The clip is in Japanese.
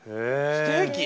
ステーキ？